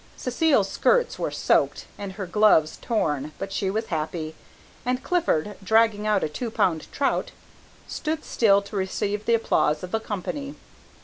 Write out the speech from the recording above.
Cécile's skirts were soaked, and her gloves torn, but she was happy, and Clifford, dragging out a two pound trout, stood still to receive the applause of the company.